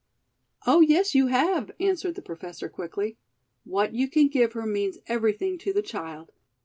"Oh, yes, you have," answered the Professor quickly. "What you can give her means everything to the child.